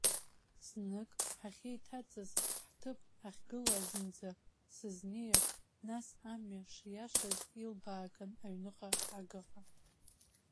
Знык ҳахьеиҭаҵыз, ҳҭыԥ ахьгылазынӡа сызнеир, нас амҩа шиашаз илбааган аҩныҟа, агаҟа.